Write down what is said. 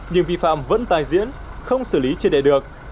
nhưng vi phạm vẫn tài diễn không xử lý trên đệ được